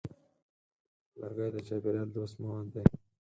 لرګی د چاپېریال دوست مواد دی.